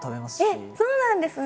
えっそうなんですね。